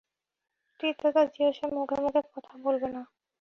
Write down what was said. তৃতীয়ত, জিউসের মুখে মুখে কথা বলবে না।